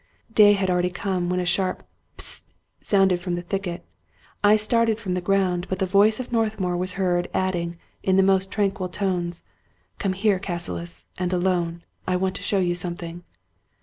Day had already come, when a sharp " Hist !" sounded from the thicket. I started from the ground ; but the voice of Northmour was heard adding, in the most tranquil tones :'* Come here, Cassilis, and alone ; I want to show you something."